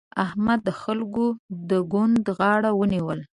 احمد د خلګو د ګوند غاړه ونيوله.